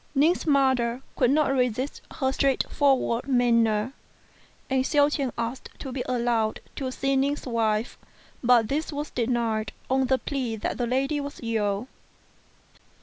Ning's mother could not resist her straightforward manner, and Hsiao ch'ien asked to be allowed to see Ning's wife, but this was denied on the plea that the lady was ill.